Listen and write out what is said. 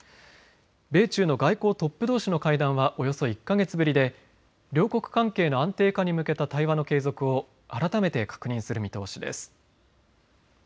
米中の外交トップどうしの会談はおよそ１か月ぶりで両国関係の安定化に向けた対話の継続を改めて確認する見通しです。